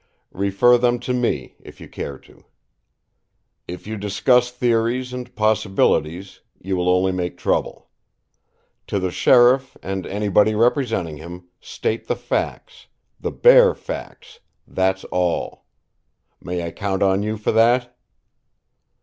Refer them to me, if you care to. "If you discuss theories and possibilities, you will only make trouble. To the sheriff, and anybody representing him, state the facts, the bare facts that's all. May I count on you for that?"